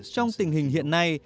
trong tình hình hiện nay